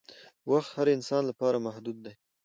وخت د هر انسان لپاره محدود دی